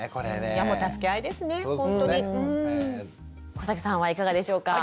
小さんはいかがでしょうか？